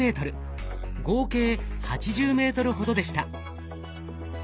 合計８０ｍほどでした。